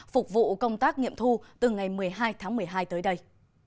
phục vụ công tác nghiệm thu từ ngày một mươi hai tháng một mươi hai tới đây